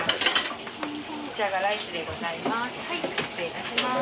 こちらがライスでございます。